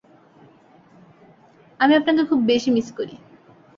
আমি আপনাকে খুব বেশি মিস করি।